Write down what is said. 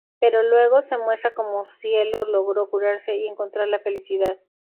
Pero luego, se muestra como Cielo logró curarse y encontrar la felicidad.